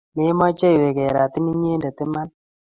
memeche iwe ke keratin inyete iman?